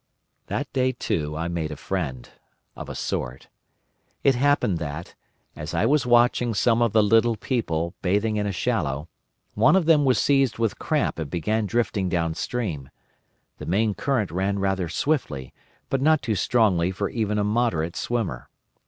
"That day, too, I made a friend—of a sort. It happened that, as I was watching some of the little people bathing in a shallow, one of them was seized with cramp and began drifting downstream. The main current ran rather swiftly, but not too strongly for even a moderate swimmer.